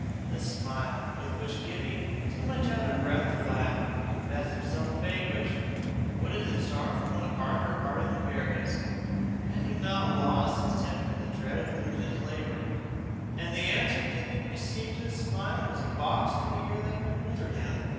The smile with which Gibbie, too much out of breath to laugh, confessed himself vanquished, would have disarmed one harder hearted than Fergus, had he not lost his temper in the dread of losing his labour; and the answer Gibbie received to his smile was a box on the ear that bewildered him.